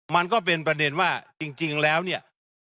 มันก็เป็นประเด็นว่าจริงแล้วเนี่ย